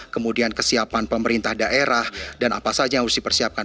kemudian kesiapan pemerintah daerah dan apa saja yang harus dipersiapkan